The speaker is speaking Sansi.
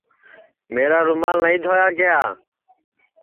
میرا رومال نائی دھویا کیا